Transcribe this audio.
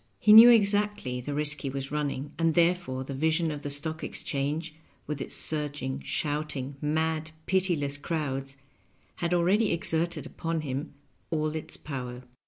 He knew exactly the risk he was running, and therefore the vision of the Stock Exchange, with its surging, shouting, mad, pitiless crowds, had already exerted upon him aU its power.